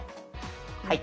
はい。